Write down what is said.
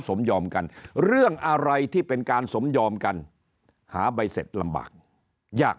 สมยอมกันเรื่องอะไรที่เป็นการสมยอมกันหาใบเสร็จลำบากยาก